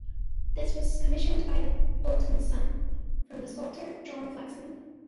This was commissioned by Boulton's son, from the sculptor John Flaxman.